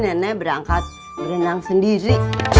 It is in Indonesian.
nenek berangkat berenang sendiri